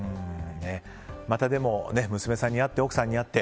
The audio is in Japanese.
また娘さんに会って奥さんに会って